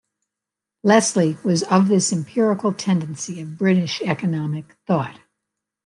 Leslie was of this empirical tendency of British economic thought.